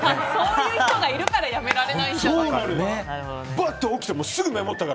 そういう人がいるからやめられないんじゃないですか。